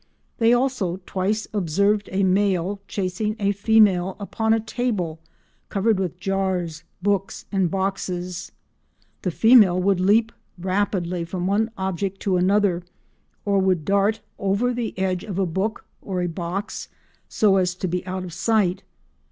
They also twice observed a male chasing a female upon a table covered with jars, books and boxes. "The female would leap rapidly from one object to another, or would dart over the edge of a book or a box so as to be out of sight.